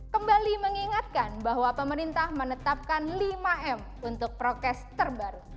kembali mengingatkan bahwa pemerintah menetapkan lima m untuk prokes terbaru